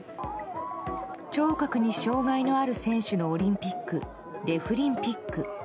聴覚に障害のある選手のオリンピックデフリンピック。